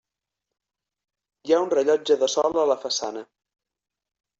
Hi ha un rellotge de sol a la façana.